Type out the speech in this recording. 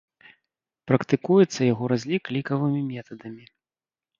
Практыкуецца яго разлік лікавымі метадамі.